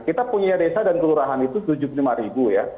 kita punya desa dan kelurahan itu tujuh puluh lima ribu ya